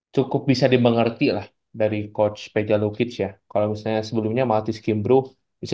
cukup bisa dimengerti lah dari coach pejalukids ya kalau misalnya sebelumnya maltis kimbru bisa